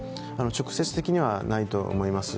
直接的にはないと思います。